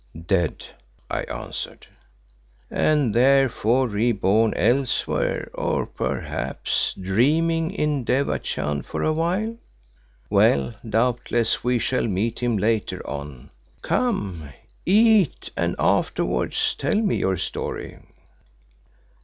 "Dead," I answered. "And therefore re born elsewhere or perhaps, dreaming in Devachan for a while. Well, doubtless we shall meet him later on. Come, eat, and afterwards tell me your story."